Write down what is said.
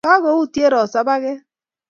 Kagoutye Rosa paket